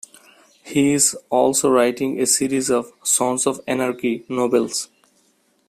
He is also writing a series of "Sons of Anarchy" novels.